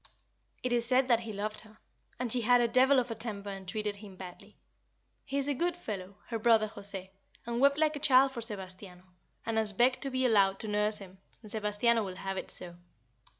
It is said that he loved her, and she had a devil of a temper and treated him badly. He is a good fellow her brother José and wept like a child for Sebastiano, and has begged to be allowed to nurse him, and Sebastiano will have it so."